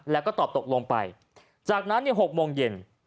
แล้วก็ตอบตกลงไปจากนั้น๖โมงเย็น